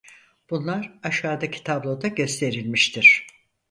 Bunlar aşağıdaki tabloda gösterilmiştir: